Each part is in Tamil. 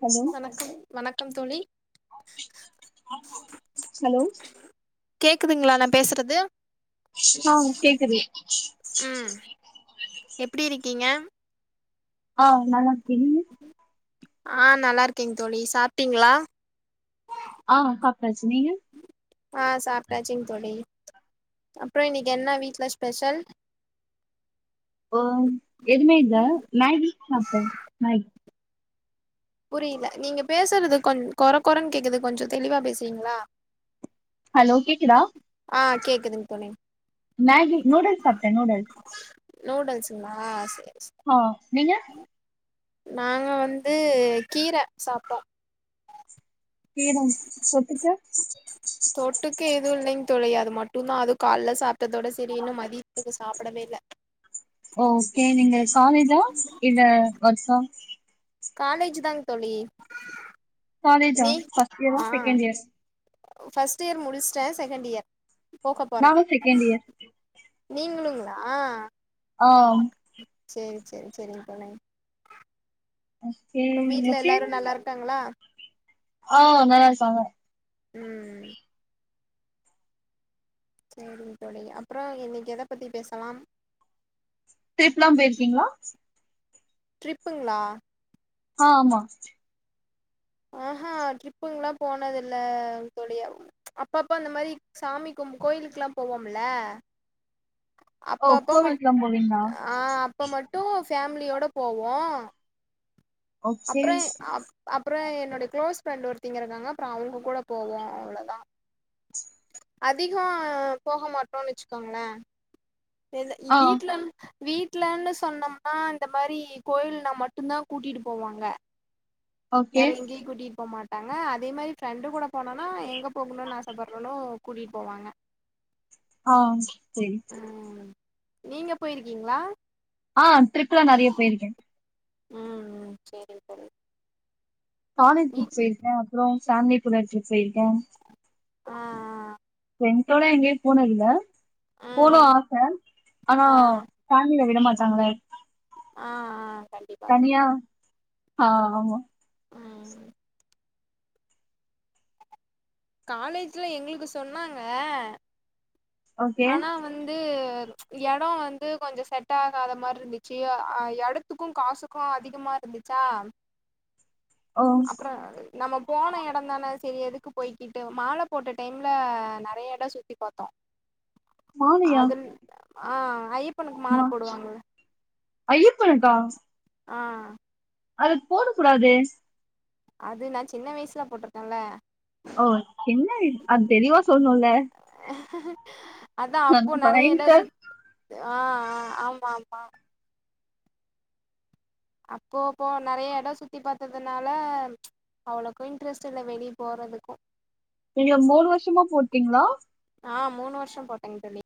ஹலோ வணக்கம் வணக்கம் தோழி ஹலோ கேக்குதுங்களா நா பேசுறது ஆ கேக்குது கீங்க ஆ நல்லாருக்கே ஆ நல்லா இருக்கேங்க தோழி சாப்பிட்டீங்களா ஆ சாப்டாச்சு நீங்க ஆ சாப்பிட்டாச்சிங்க தோழி அப்புறோ இன்னைக்கு என்ன வீட்டு்ல ஸ்பெஷல் ஆ எதுமே இல்ல மேகி சாப்ட்டே மேகி புரியல நீங்க பேசுறது கொஞ் கொர கொரன்னு கேக்குது கொஞ்சம் தெளிவா பேசுரிங்களா ஹலோ கேக்குதா கேக்குதுங் தோழி மேகி நூடுல்ஸ் சாப்ட்டே நூடுல்ஸ் நூடல்ஸ்ங்களா செரி ஆ நீங்க நாங்க வந்து கீர சாப்ட்டோம் கீரம் தொட்டுக்க க்க எதுவும் இல்லைங் தோழி அது மட்டுந்தா அது கால்ல சாப் ட்டதோட செரி இன்னும் மதி ய சாப்டவே இல்ல ஓகே நீங்க காலேஜா இல்ல வர்ஸா காலேஜ் தாங்க தோழி காலேஜா நீ ஃபர்ஸ்ட் இயரா ஆ செகன்ட் இயர் ஃபர்ஸ்ட் இயர் முடிச்சிட்டே செகண்ட் இயர் போக போறே நானு செகண்ட் இயர் நீங்களுங்க ஆ ஆம் செரி செரி செரிங்க தோழி ஓகே அப்றோ வீட்ல ஓகே எல்லாரு நல்லா இருக்காங்களா ஆ நல்லா இருக்காங்க ம் செரிங்க தோழி அப்புறம் இன்னைக்கு எத பத்தி பேசலாம் டிரிப்லா போயிருக்கீங்களா ட்ரிப்புங்களா ஆ ஆமா ஆஹா ட்ரிப்புங்கலாம் போனது இல்ல தோழி அப்பப்ப அந்த மாரி சாமி கும்ப கோயிலுக்குலா போவோம் இல்ல அப்ப ஓ அப்ப மட் கோவிலுக்குலா போவீங்களா ஆ அப்ப மட்டும் ஃபேமிலியோட போவோம் ஓகே அப்புறம் அப் அப்புறம் என்னோடைய க்ளோஸ் ஃப்ரெண்ட் ஒருத்தி இங்க இருக்காங்க அப்புறம் அவுங்க கூட போவோம் அவ்ளோதா அதிகம் போக மாட்டோன்னு வச்சிக்கோங்களன் எத ஆ வீட்ல வீட்லன்னு சொன்னோம்னா இந்த மாரி கோயில்னா மட்டும்தா கூட்டிட்டு போவாங்க ஓகே வேற எங்கயு கூட்டிட்டு போமாட் டாங்க அதே மாரி ஃப்ரெண்டு் கூட போனோனா எங்க போகணும்னு ஆசப்பட்றணோ கூட்டிட் போவாங்க ஆ சரி ம் நீங்க போயிருக்கீங்களா ஆ ட்ரிப்லா நெறைய போயிருக்கே ம் சரிங் தோழி காலேஜ் நீ கு சேந்தே அப்புறோ சாந்தி புலச்சி போயிருக்கே ஆ ஆ ஃப்ரெண்ட்சோட எங்கயு போனது இல்ல ஆ போனு ம் ஆச ஆனா ஆ ஃபேமிலில விட மாட் தங்களே ஆ ஆ கண்டிப்பா தனியா கண்டிப்பா ஆ ஆமா ம் காலேஜ்ல எங்களுக்கு சொன்னாங்க ஓகே ஆனா வந்து எடோ வந்து கொஞ்சோ செட் ஆகாத மாதிரி இருந்துச்சு அஹ எடத்துக்கு காசுக்கு அதிகமா இருந்துச்சா ஓ அப்புறோ நம்ம போன எடோ தானே சரி எதுக்கு போய்கிட்டு மால போட்ட டைம்ல நறைய எடோ சுத்தி பார்த்தோ மாலையா அது ஆ ஐப் ஜப்பனுக்கு மால போடுவாங்கள ஐயப்பன்க்கா ஆ அதுக்கு போடக் கூடாதே அது நா சின்ன வயசுல போட்டிருக்கேன்ல ஓ என்ன இ அது தெளிவா சொல்லணும்ல [unintelligible] ந நெறைய எடோ பய்ண்டர் சுத் ஆ ஆ ஆமா ஆமா அப்போப்ப நறைய எடோ சுத்தி பார்த்ததுனால அவ்வளவுக்கு இன்ட்ரெஸ்ட் இல்ல வெளிய போறதுக்கு நீங்க மூணு வருஷமா போட்டீங்களா ஆ மூணு வருஷோ போட்டேங்க தோழி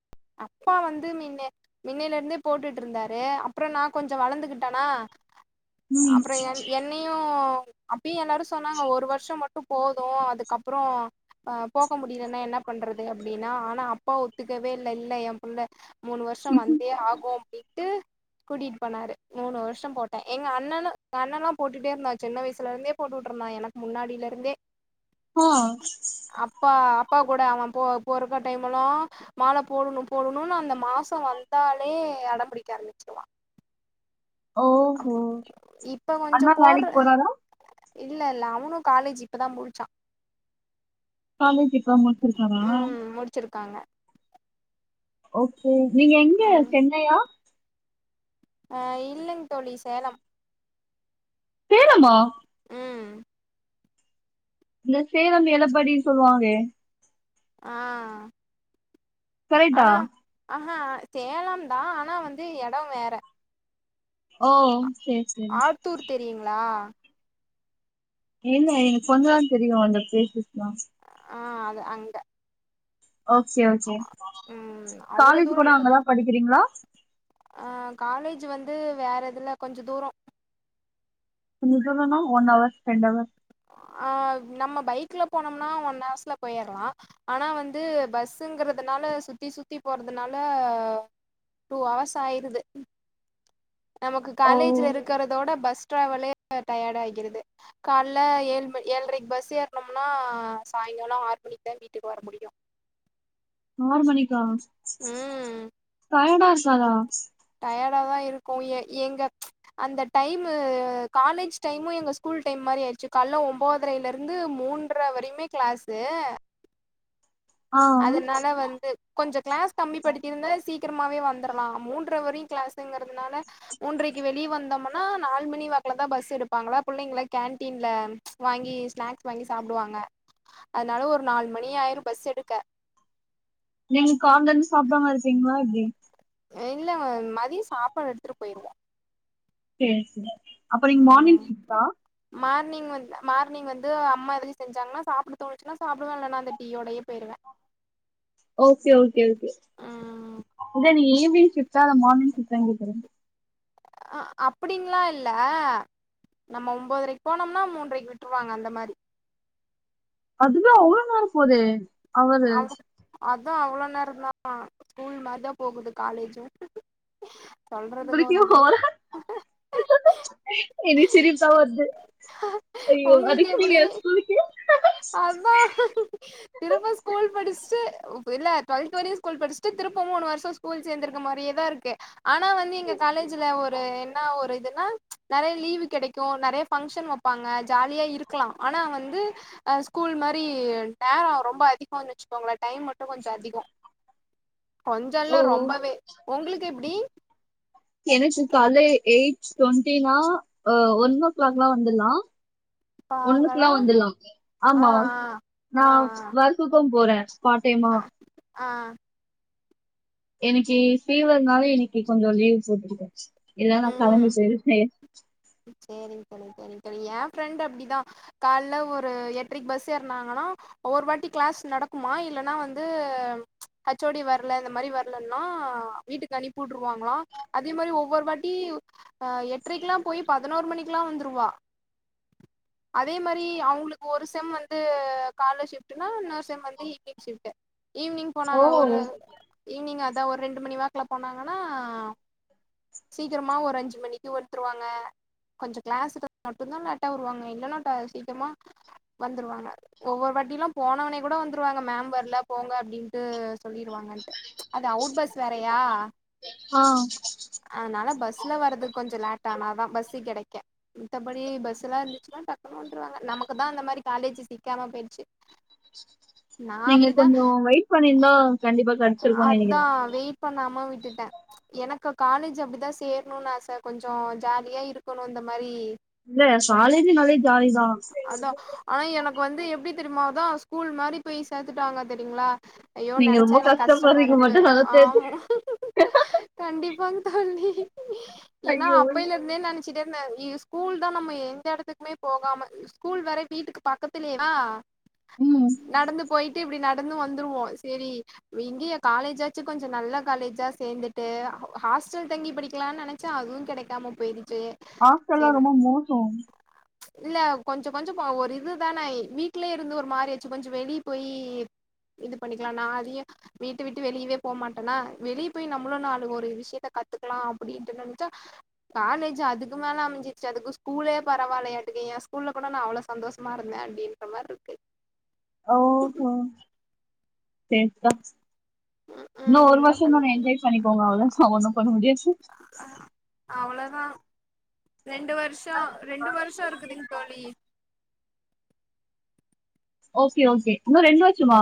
அப்பா வந்து முன்ன முன்னிலே இருந்தே போட்டுட்டு இருந்தாரு அப்புறோ நா கொஞ்சோ வளர்ந்துகிட்டேனா ம் அப்புறோ எ என்னையு அப்பவே எல்லாரு சொன்னாங்க ஒரு வருஷோ மட்டு போது அதுக்கப்புறோ அ போக முடிலன்னா என்ன பண்றது அப்படின்னா ஆனா அப்பா ஒத்துக்கவே இல்ல இல் இல்ல எ புள்ள மூணு வருஷோ ம்ஹூம் வந்தே ஆகு அப்டினு விட்டு கூட்டிட்டு போனாரு மூணு வருஷோ போட்டே எங்க அண்ணனு எங்க அண்ணன்லா போட்டுட்டே இருந்தா சின்ன வயசுல இருந்தே போட்டுக்கிட்டு இருந்தா எனக்கு முன்னாடியில இருந்தே ஓ அப்பா அப்பா கூட அவெ போ போறக்க டைம் எல்லா மால போடணு போடணும் அந்த மாசோ வந்தாலே அடம் புடிக்க ஆரம்பிச்சிருவா ஓஹோ இப்ப கொஞ்சோ அண்ணா போடுற வேலைக்கு போறாரா இல்ல இல்ல அவனு காலேஜ் இப்பதா முடிச்சா காலேஜ் இப்பத்த முடிச்சிருக்கானா க்காங்க ஓகே நீங்க எங்க சென்னையா அ இல்லைங் தோழி சேலம் சேலம்மா ம் இந்த சேலம் எலப்பாடி சொல்லுவாங்களே ஆ கரேட்டா ஆ சேலம் தா ஆனா வந்து எடோ வேற ஓ சரி சரி ஆத்தூர் தெரியுங்ளா இல்ல எனக்கு கொஞ்சதா தெரியு அந்த பிளேசஸ்லா ஆ அது அங்க ஓகே ஓகே ம் அவ்ளோ காலேஜ் தூரோ கூட இல்ல கொஞ்ச அங்கதா படிக்குறீங்களா ஆ காலேஜ் வந்து வேற இதுல கொஞ்ச தூரோ கொஞ்சதூரனா ஒன் அவர்ஸ் ரெண்ட் அவர்ஸ் ஆ நம்ம பைக்குல போனோம்னா ஒன் அவர்ஸ்ல போய்றலா ஆனா வந்து பஸ்ங்கிறதுனால சுத்தி சுத்தி போறதுனால டூ அவர்ஸ் ஆயிருது நமக்கு ஓ காலேஜ்ல இருக்குறதோட பஸ் பஸ்ட்ராவலே டயர்ட் ஆக்கிடுது கால்ல ஏழு மணி ஏழரைக்கு பஸ் ஏறுனம்னா சாயங்காலோ ஆறு மணிக்கு தா வீட்டுக்கு வர முடியு ஆறு மணிக்கா ம் டயர்டா குராங்கலா இருக்கு எ எங்க அந்த டைமு காலேஜ் டைமு எங்க ஸ்கூல் டைம் மாரி ஆயிடுச்சு கால்ல ஒம்போதரைல இருந்து மூன்றர வரையுமே கிளாசு ஆ அதனால வந்து கொஞ்ச கிளாஸ் கம்மி படுத்தி இருந்தா சீக் சீக்கிரமாவே வந்தறலா மூன்ற வரையு கிளாசுங்கிறதுனால மூன்றைக்கு வெளிய வந்தோம்னா நாலு மணி வாக்குல தா பஸ் எடுப்பாங்களா புள்ளைங்களா கேன்டீன்ல வாங்கி ஸ்நாக்ஸ் வாங்கி சாப்டுவாங்க அதனால ஒரு நாலு மணி ஆயிரு பஸ் எடுக் க நீங்க கால்லருந்து சாப்டாம இருப்பீங்களா எப்டி இல்ல மதிய சாப்பாடு எடுத்துட்டு போயிருவோம் சேர் சேர் அப்ப நீங்க மார்னிங் ம் ஷிப்டா மார்னிங் வந் மார்னிங் வந்து அம்மா எதும் செஞ்சாங்கன்னா சாப்ட தோணுச்சுன்னா சாப்டுவேன் இல்லனா அந்த டீ யோடயே போயிருவேன் ஓகே ஓகே ஓகே ம் இல்ல நீங்க ஈவ்னிங் ஷிப்டா அல்ல மார்னிங் ஷிப்டான் கேக்றேன் அ அப்டினுலாம் இல்ல நம்ம ஒன்பதரைக்கு போனோம்னா மூன்றரைக்கு விட்ருவாங்க அந்த மாரி அதுவே அவ்ளோ நேரம் போதே அவரு அதான் அவ்ளோ நேரம் தான் ஸ்கூல் மாரிதான் போகுது காலேஜும் சொல்றதுக்கு உங்களுக்கே ஒந்து துல்ல எனக் சிரிப்தா வர்து உங்களுக்கு எப்டி அதா திரும்ப ஸ்கூல் படிச் சு இல்ல டூவல்த் வரயும் ஸ்கூல் படிச்சுட்டு திருப்ப மூணு வருஷம் ஸ்கூல் சேந்துருக்க மாரியேதான் இருக்கு ஆனா வந்து எங்க காலேஜ்ல ஒரு என்ன ஒரு இதுன்னா நெறய லீவு கெடைக்கும் நெறய பங்க்ஷன் வப்பாங்க ஜாலியா இருக்கலாம் ஆனா வந்து ஹ ஸ்கூல் மாரி நேரம் ரொம்ப அதிகன் வச்சுக்கோங்களேன் டைம் மட்டு கொஞ்ச அதிகம் ஓ கொஞ்சல்லா ரொம்பவே உங்களுக் எப்டி எனக்கு காலேஜ் எயிட் டுவெண்ட்டினா அ ஒன் ஓ கிளாக்லா வந்துலாம் ஒன்னுக்குல்லா பாங்களா வந்துலா ஆ ஆமா நா ஆ வர்க்கும் போறேன் பார் டைமா ஆ ஆ ஆ இனக்கி ஃபீவர்னாலே இனக்கி கொஞ்ச லீவ் போட்ருக்கேன் இல்லனா கெளம்பி போயிருப்பே சேரிங் தோழி சேரிங் தோழி ஏ ஃப்ரெண்ட் அப்டிதான் கால்ல ஒரு எட்ரைக்கு பஸ் ஏறனாங்கன்னா ஒரு வாட்டி கிளாஸ் நடக்குமா இல்லன்னா வந்து ஹச்சோடி வர்ல இந்த மாரி வர்லன்னா வீட்டுக்கு அனுப்பிட்டுருவாங்களாம் அதே மாதிரி ஒவ்வொரு வாட்டி ஆ எட்ரைக்குல்லா போய் பதினோரு மணிக்கில்லா வந்துருவா அதே மாரி அவங்களுக்கு ஒரு செம் வந்து கால ஷிப்டுன்னா இன்னொரு செம் வந்து ஈவினிங் ஷிப்ட் ஈவினிங் ஓ போனாங்க ஒரு ஈவினிங் அது அதான் ஒரு ரெண்டு மணி வாக்குல போனாங்கன்னா சீக்கிரமாக ஒரு அஞ்சு மணிக்கு ஒருத்துருவாங்க கொஞ்ச கிளாஸ்டா மட்டுந்தான் லேட்டா வருவாங்க இல்லன்னா சீக்ரமா வந்துருவாங்க ஒவ்வொரு வட்டியலா போனோன கூட வந்துருவாங்க மேம் வர்ல போங்க அப்டின்ட்டு சொல்லிருவாங்கன்டு அது அவுட் பஸ் வேறயா ஆ சுல வறதுக் கொஞ்ச லேட்ட ஆனா தான் பஸ் கிடைக்க மத்தபடி பஸ் எல்லா இருந்துச்சுன்னா டக்குன்னு விந்துருவாங்க நமக்கு தா அந்த மாரி காலேஜ் சிக்காம போயிடுச்சு நா நீங்க அப்டிதா கொஞ்சம் வெயிட் பண்ணிருந்தா கண்டிப்பா கடிச்சிருக்கும்னு அதா நெனைக்கிறேன் வெயிட் பண்ணாம விட்டுட்டேன் எனக்கு காலேஜ் அப்டி தா சேரணும்னு ஆச கொஞ்சம் ஜாலியா இருக்கணும் இந்த மாரி இல்ல சாலைய நாலே ஜாலிதான் அதா ஆனா எனக்கு வந்து எப்டி தெரியுமா அதான் ஸ்கூல் மாரி போய் சேத்துட்டாங்க தெரியுங்களா ஐயோ நீங்க ரொம்ப நெனக் எனக்கு கஷ்டமா கஷ்டப்படுறீங்க இருக்கு மட்டு நல்லா தெரிஞ்சு ஆமா கண்டிப் வந்தாள் நீ ஏன்னா ஐயோ அப்பையில இருந்தே நெனன் ஸ்கூல் தா நம்ம எந்த இடத்துக்குமே போகாம ஸ்கூல் வேரை வீட்டுக்கு பக்கத்துலேவா ம் நடந்து போயிட்டு இப்டி நடந்து வந்துருவோம் செரி இங்கய காலேஜாச்சு கொஞ்சம் நல்ல காலேஜா சேந்துட்டு ஹாஸ்டல் தங்கி படிக்கலாம்னு நெனைச்சன் அதுவும் கிடைக்காம போயி ஹாஸ்டல்லா ரொம்ப மோசம் இல்ல கொஞ்சம் கொஞ்சம் ஒரு இதுதானே வீட்லயே இருந்து ஒரு மாரி ஆச்சு கொஞ்சம் வெளிய போய் இது பண்ணிக்கலாம் நா அதையும் வீட்டு விட்டு வெளியவே போகமாட்டேன்னா வெளிய போய் நம்மளும் நாலு ஒரு விஷயத்த கத்துக்கலா அப்டின்ட்டு நெனச்சா காலேஜ் அதுக்கு மேல அமைஞ்சிருச்சு அதுக்கு ஸ்கூலே பரவாயில்லையாட்டுக்கு ஏன் ஸ்கூல்ல கூட நா அவ்ளோ சந்தோஷமா இருந்தேன் அப்டின்ற மாரி இருக்கு ஓஹோ செரி தா ம் இன்னும் ம் ஒரு என்ன வருஷம் தா பண்றது என்ஜாய் பண்ணிக்கோங்க அவ்ளோ தா ஒன்னும் பண்ண முடியாது அவ்ளோதா ரெண்டு வருஷம் ரெண்டு வருஷேம் இருக்குதுங்க தோழி ஒகே ஓகே இன்னு ரெண்டு வருஷமா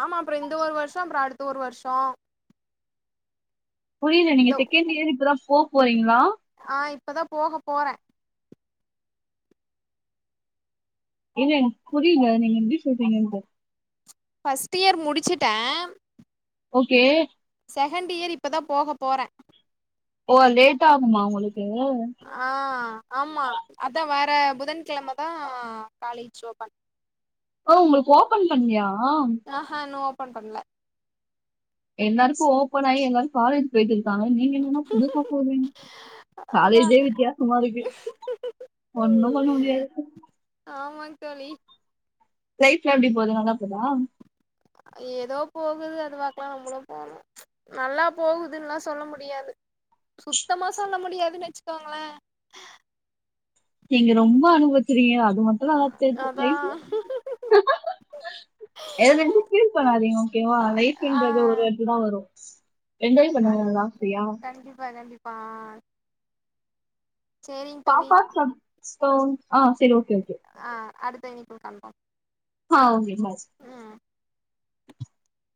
ஆமா அப்றோ இந்த ஒரு வருஷே அப்றோ அடுத்த ஒரு வருஷோ புரிலா இந்த நீங்கா செக்ண்ட் இயேர் இப்ப தா போ போறிங்ளா ஆ இப்பா தா பேகா பேறோன் எங்க புரிலா நீங்கா எப்டி சொல்றீங்கனு பஃஸ்ட் இயேர் முடிச்சிட்டேன் ஒகே செக்ண்ட் இயேர் இப்ப தா போக போறோன் ஓ லேட் ஆகுமா உங்களு ஆ ஆம்மா அதா வேர் அ புதன்கிழம தா காலேஜ் ஓபன் அ உங்களுக்கு ஓபன் பண்லியா ஆஹா இன்னு ஓபன் பண்ணலா எல்லாருக்கு ஓபன் ஆகி எல்லாரும் காலேஜ் போயிட்ருக் காங்க நீங்க என்ன புதுசா பேறிங்கே அதா காலேஜே வித்தியாசாமா இருக்கு ஓன்னும் பண்ண முடியாது ஆமாங் தோழி லைஃலா எப்டி போது நல்லா போதா எதே போகுது அது வாக்குல நம்பளு போனு நல்ல போகுதுன்னுலாம் செல்லா முடியாது சுத்தாமா சொல்லா முடியாதுன்னு வெச்சிக்கோங்களேன் நிங்க ரெம்பா அனுபவிச்சிருக்கிங்க அது மட்டும் நல்ல தெரிது அதா தங்யூ எதா நெனச்சியும் பீஃல் பண்ணதிங்க ஓகேவ ஆ லைஃப்ன்றது ஒரு வாட்டிதா வரும் என்ஜாய் கண் பண்ணுங்க [unintelligible] ப்ரியா கண்டிப்பா கண்டிப்பா ஆ செரிங்க தோழி போம் ஆ செரி ஓகே ஓகே தேனி டு கம்பம் ஆ ப்ம்